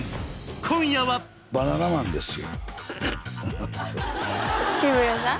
今夜はバナナマンですよ日村さん？